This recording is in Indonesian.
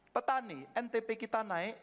petani ntp kita naik